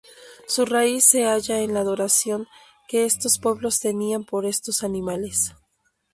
Su raíz se halla en la adoración que estos pueblos tenían por estos animales.